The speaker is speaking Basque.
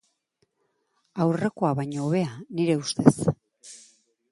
Aurrekoa baino hobea, nire ustez.